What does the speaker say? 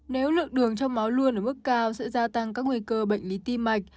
nếu lượng đường trong máu luôn ở mức cao sẽ gia tăng các nguy cơ bệnh lý tim mạch